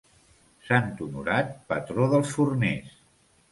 Sant Honorat, patró dels forners.